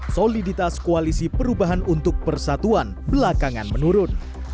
soliditas koalisi perubahan untuk persatuan belakangan menurun